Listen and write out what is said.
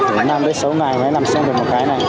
phải năm sáu ngày mới làm xong được một cái này